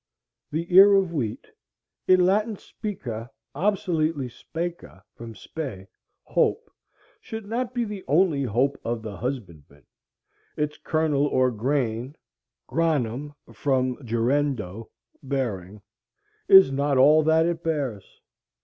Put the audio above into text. The ear of wheat (in Latin spica, obsoletely speca, from spe, hope) should not be the only hope of the husbandman; its kernel or grain (granum from gerendo, bearing) is not all that it bears.